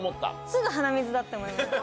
すぐ鼻水だって思いました。